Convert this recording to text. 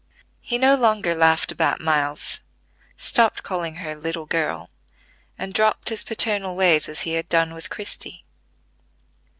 He no longer laughed about Miles, stopped calling her "little girl," and dropped his paternal ways as he had done with Christie.